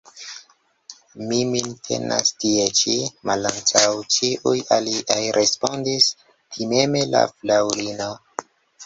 Mi min tenas tie ĉi, malantaŭ ĉiuj aliaj, respondis timeme la fraŭlino.